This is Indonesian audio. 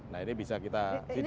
nah ini bisa kita